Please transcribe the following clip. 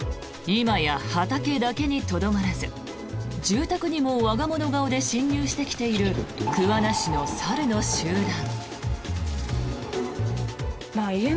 今や畑だけにとどまらず住宅にも我が物顔で侵入してきている桑名市の猿の集団。